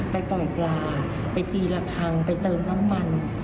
ไปปล่อยปลาไปตีละครั้งไปเติมน้ำมัน